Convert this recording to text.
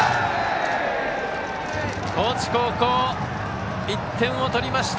高知高校、１点を取りました